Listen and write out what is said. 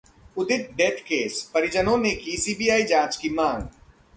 उदित death case: परिजनों ने की सीबीआई जांच की मांग